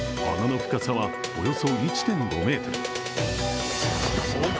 穴の深さはおよそ１．５ｍ。